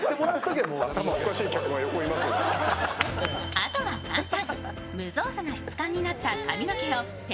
あとは簡単。